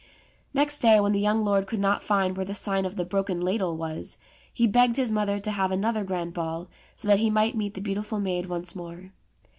CATSKIN 169 Next day, when the young lord could not find where the sign of the " Broken Ladle " was, he begged his mother to have another grand ball, so that he might meet the beauti ful maid once more.